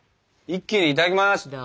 一気にいただきます！